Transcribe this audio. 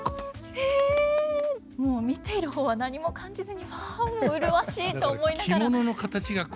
もう見ている方は何も感じずに「うわ麗しい」と思いながら。